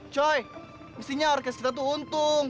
coy mestinya orkest kita tuh untung